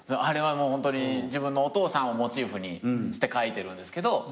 あれはもうホントに自分のお父さんをモチーフにして書いてるんですけど。